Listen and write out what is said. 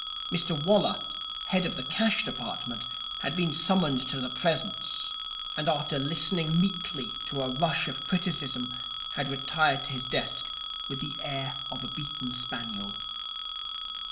Mr Waller, head of the Cash Department, had been summoned to the Presence, and after listening meekly to a rush of criticism, had retired to his desk with the air of a beaten spaniel.